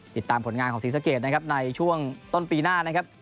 ติดตามผลงานของศรีสะเกดนะครับในช่วงต้นปีหน้านะครับ